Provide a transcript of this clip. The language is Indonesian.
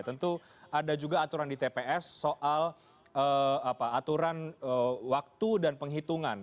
tentu ada juga aturan di tps soal aturan waktu dan penghitungan